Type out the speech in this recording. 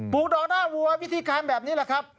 ดอกหน้าวัววิธีการแบบนี้แหละครับ